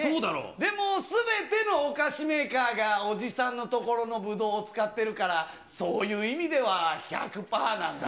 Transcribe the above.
でも、すべてのお菓子メーカーがおじさんの所のブドウを使ってるから、そういう意味では、１００パーなんだよ。